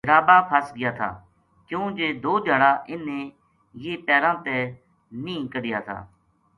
جرابا پھس گیا تھا کیوں جے دو دھیا ڑا اِنھ نے یہ پیراں تے نیہہ کڈھیا تھا۔